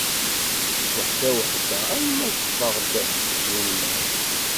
Weḥda weḥda, alma teffeɣ-d d ulman.